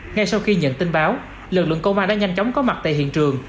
ngay sau khi nhận tin báo lực lượng công an đã nhanh chóng có mặt tại hiện trường